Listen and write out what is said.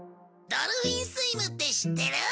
ドルフィンスイムって知ってる？